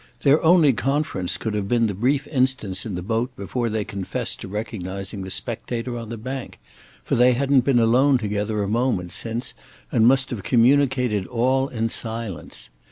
Their only conference could have been the brief instants in the boat before they confessed to recognising the spectator on the bank, for they hadn't been alone together a moment since and must have communicated all in silence.